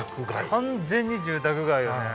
完全に住宅街だね。